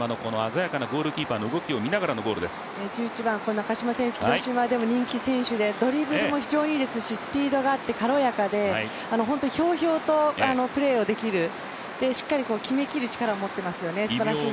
中嶋選手、広島でも人気の選手で、ドリブルも非常にいいですしスピードがあって、軽やかで、本当にひょうひょうとプレーができる、しっかり決めきる力を持っていますよね、すばらしい選手です。